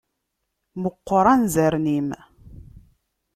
Meqqer anzaren-im.